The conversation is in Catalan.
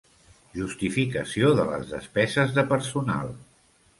Justificació de les despeses de personal.